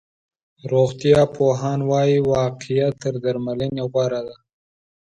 روغتيا پوهان وایي، وقایه تر درملنې غوره ده.